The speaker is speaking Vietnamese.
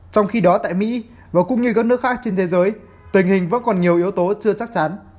trong khi đó tại mỹ và cũng như các nước khác trên thế giới tình hình vẫn còn nhiều yếu tố chưa chắc chắn